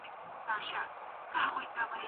استاد کاروان سپوږمۍ د غرونو له اوبو سره څښلې وه.